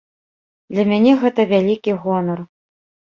Для мяне гэта вялікі гонар.